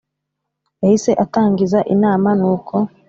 yahise atangiza inama nuko